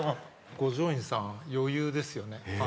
五条院さん余裕ですよね。